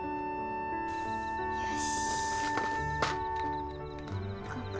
よし。